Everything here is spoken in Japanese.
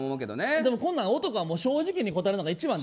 でもこんなん、男は正直に答えるのが一番やで。